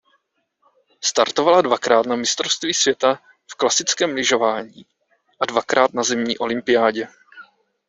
Startovala dvakrát na mistrovství světa v klasickém lyžování a dvakrát na zimní olympiádě.